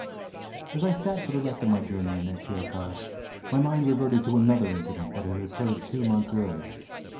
"] As I sat for the rest of my journey in that chair car my mind reverted to another incident that had occurred two months earlier.